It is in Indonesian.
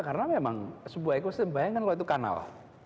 karena itu kanal